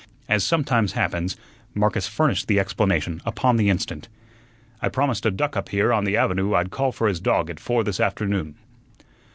As sometimes happens, Marcus furnished the explanation upon the instant. "I promised a duck up here on the avenue I'd call for his dog at four this afternoon."